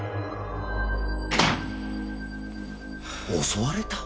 襲われた！？